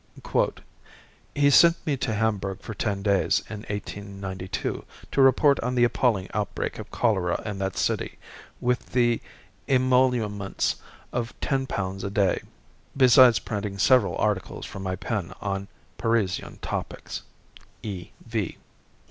[*] He sent me to Hamburg for ten days in 1892 to report on the appalling outbreak of cholera in that city, with the emoluments of ten pounds a day, besides printing several articles from my pen on Parisian topics. E. V.